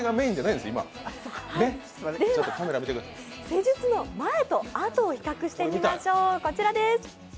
では、施術の前と後を比較してみましょう、こちらです。